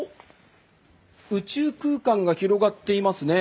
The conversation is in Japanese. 宇宙空間が広がっていますね。